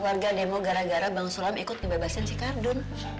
warga demo gara gara bang sulam ikut kebebasan si kardun